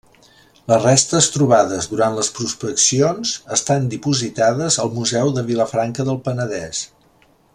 Les restes trobades durant les prospeccions estan dipositades al museu de Vilafranca del Penedès.